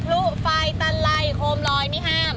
กลุ๊กไฟตันไลโคมรอยนี่ห้าม